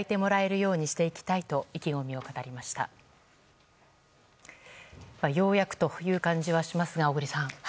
ようやくという感じはしますが小栗さん。